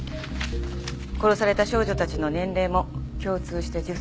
殺された少女たちの年齢も共通して１０歳。